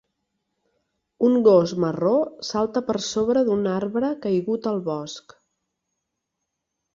Un gos marró salta per sobre d'un arbre caigut al bosc.